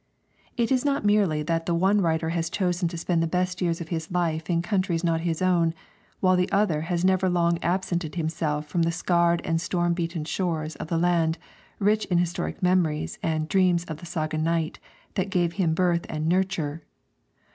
It is not merely that the one writer has chosen to spend the best years of his life in countries not his own, while the other has never long absented himself from the scarred and storm beaten shores of the land, rich in historic memories and "dreams of the saga night," that gave him birth and nurture.